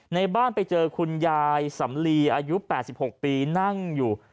ในบ้านไปเจอคุณยายสำลีอายุ๘๖ปีนั่งอยู่